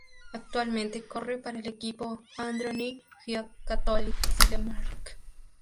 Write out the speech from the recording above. Actualmente corre para el equipo Androni Giocattoli-Sidermec.